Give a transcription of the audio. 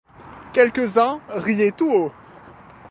Quelques-uns riaient tout haut.